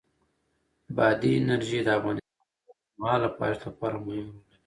بادي انرژي د افغانستان د اوږدمهاله پایښت لپاره مهم رول لري.